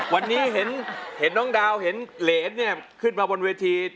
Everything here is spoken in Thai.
วันนี้เห็นน้องดาวเห็นเหรนขึ้นมาบนเวที